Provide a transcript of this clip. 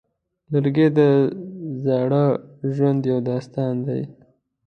لرګی د زاړه ژوند یو داستان دی.